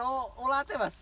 ada rego lagi tidak